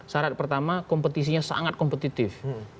syarat pertama kompetisinya sangat kompetitif